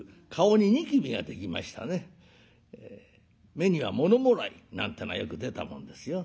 目には物もらいなんてのはよく出たもんですよ。